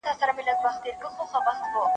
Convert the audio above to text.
خو محبت کښې رقــــــــــــابت نه منـم